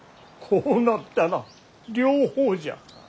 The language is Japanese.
こうなったら両方じゃ。